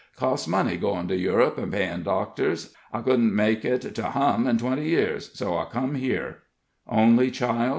Costs money goin' to Europe an' payin' doctors I couldn't make it to hum in twenty year; so I come here." "Only child?"